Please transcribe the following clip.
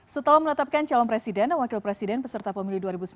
setelah menetapkan calon presiden dan wakil presiden peserta pemilu dua ribu sembilan belas